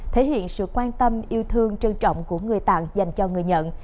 thể hiện sự quan tâm yêu thương trân trọng của người tặng dành cho người nhận